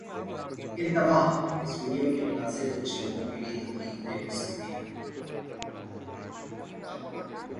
انتباہ: اس ویڈیو کے مناظر کچھ لوگوں کے لیے تکلیف دہ ہو سکتے ہیں